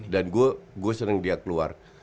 dan gue sering lihat keluar